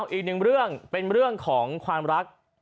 อีกหนึ่งเรื่องเป็นเรื่องของความรัก